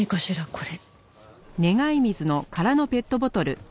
これ。